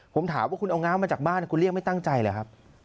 ผมถามว่าคุณเอาง้าวมาจากบ้านคุณเรียกไม่ตั้งใจเหรอครับ